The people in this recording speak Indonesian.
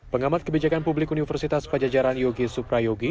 pengamat kebijakan publik universitas pajajaran yogi suprayogi